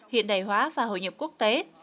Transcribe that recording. hiện đại hóa và hội nhập quốc tế